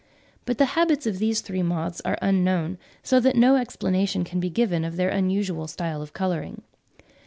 But the habits of these three moths are unknown; so that no explanation can be given of their unusual style of colouring.